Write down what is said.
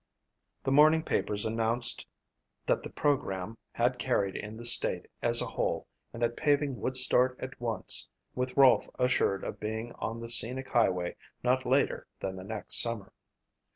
The morning papers announced that the program had carried in the state as a whole and that paving would start at once with Rolfe assured of being on the scenic highway not later than the next summer.